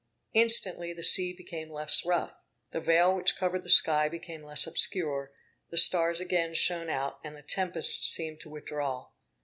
Instantly the sea became less rough, the veil which covered the sky became less obscure, the stars again shone out, and the tempest seemed to withdraw.